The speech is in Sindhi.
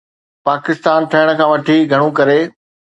پاڪستان ٺهڻ کان وٺي گهڻو ڪري